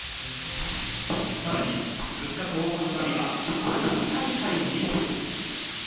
さらに物価高騰の波は花火大会にも。